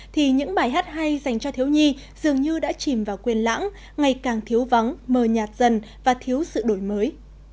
thì những bài hát hay dành cho thiếu nhi dường như đã chìm vào quyền lãng ngày càng thiếu vắng mờ nhạt dần và thiếu sự đổi mới